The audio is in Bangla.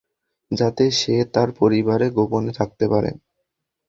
যাতে সে এবং তার পরিবার গোপনে থাকতে পারে।